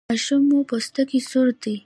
ماشوم مو پوستکی سور دی؟